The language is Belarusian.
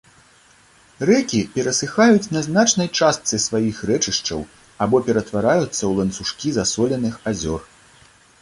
Рэкі перасыхаюць на значнай частцы сваіх рэчышчаў або ператвараюцца ў ланцужкі засоленых азёр.